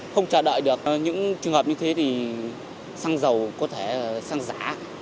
không chờ đợi được những trường hợp như thế thì xăng dầu có thể xăng giả